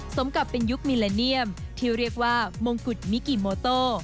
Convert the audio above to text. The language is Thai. สมกับเป็นยุคมิลาเนียมที่เรียกว่ามงกุฎมิกิโมโต